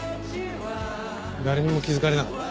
誰にも気づかれなかった。